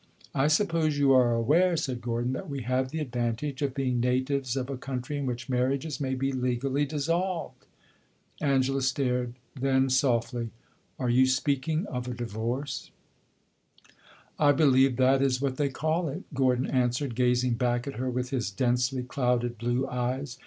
"I suppose you are aware," said Gordon, "that we have the advantage of being natives of a country in which marriages may be legally dissolved." Angela stared; then, softly "Are you speaking of a divorce?" "I believe that is what they call it," Gordon answered, gazing back at her with his densely clouded blue eyes.